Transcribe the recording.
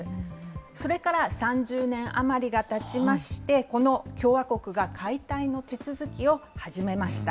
それから３０年余りがたちまして、この共和国が解体の手続きを始めました。